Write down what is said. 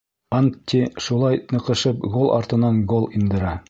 Антти шулай ныҡышып гол артынан гол индерә.